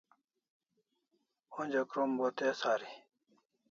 Onja krom bo tez ari